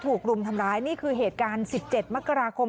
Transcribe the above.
รุมทำร้ายนี่คือเหตุการณ์๑๗มกราคม